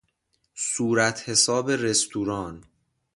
صورتحساب رستوران